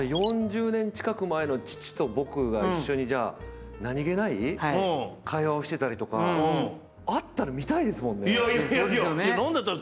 ４０年近く前の父と僕が一緒にじゃあ何気ない会話をしてたりとかあったら見たいですもんね。